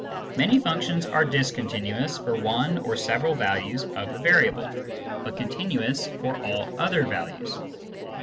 Many functions are discontinuous for one or several values of the variable, but continuous for all other values.